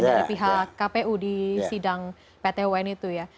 pertama kali kita akan mendengarkan persidangan dari kpu di sidang pt wn itu ya